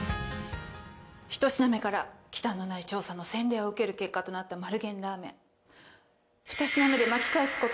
ひと品目から忌憚のない調査の洗礼を受ける結果となった丸源ラーメン。